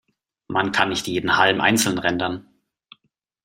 Man kann nicht jeden Halm einzeln rendern.